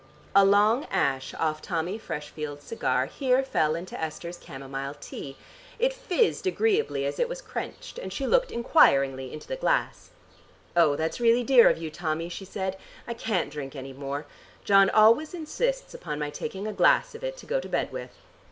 A long ash off Tommy Freshfield's cigar here fell into Esther's camomile tea. It fizzed agreeably as it was quenched, and she looked enquiringly into the glass. "Oh, that's really dear of you, Tommy," she said. "I can't drink any more. John always insists upon my taking a glass of it to go to bed with."